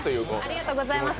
ありがとうございます。